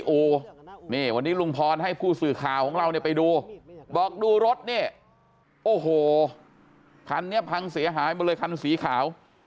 โอ้โหคันนี้พังเสียหายมาเลยคันสีขาว